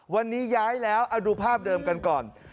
วันนี้ย้ายแล้วเอาดูภาพเดิมกันก่อน